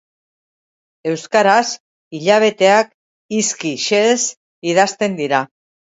Euskaraz hilabeteak hizki xehez idazten dira.